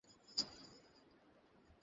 তোকে কফি বানিয়ে দিচ্ছি।